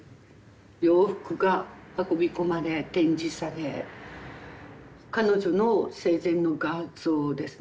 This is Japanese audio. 洋服が運び込まれ展示され彼女の生前の画像ですね